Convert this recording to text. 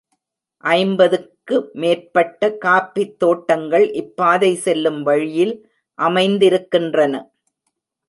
ஐம்பதுக்கு மேற்பட்ட காஃபித் தோட்டங்கள் இப்பாதை செல்லும் வழியில் அமைந்திருக்கின்றன.